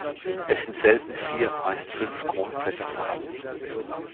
Es sind selten vier, meist fünf Kronblätter vorhanden.